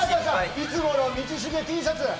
いつもの道重Ｔシャツ！